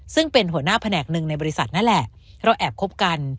ซึ่งเป็นหัวหน้าแผนกหนึ่งในบริษัทนั่นแหละเราแอบคบกัน